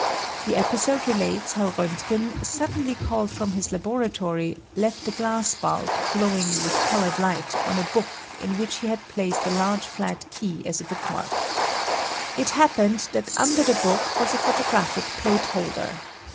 The episode relates how Roentgen, suddenly called from his laboratory, left a glass bulb glowing with colored light on a book in which he had placed a large flat key as a bookmark. It happened that under the book was a photographic plate holder.